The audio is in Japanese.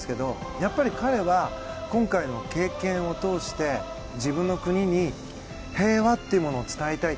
やっぱり彼は今回の経験を通して自分の国に平和というものを伝えたい。